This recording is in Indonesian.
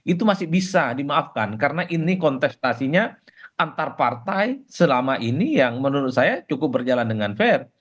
itu masih bisa dimaafkan karena ini kontestasinya antar partai selama ini yang menurut saya cukup berjalan dengan fair